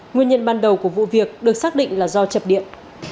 nguyên nhân ban đầu của vụ việc được xác định là do chập điện